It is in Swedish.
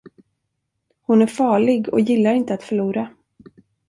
Hon är farlig och gillar inte att förlora.